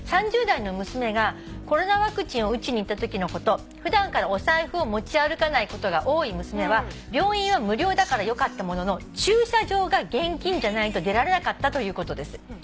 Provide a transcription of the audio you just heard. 「３０代の娘がコロナワクチンを打ちに行ったときのこと」「普段からお財布を持ち歩かないことが多い娘は病院は無料だからよかったものの駐車場が現金じゃないと出られなかったということです」